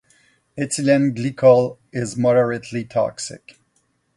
Ethylene glycol is moderately toxic.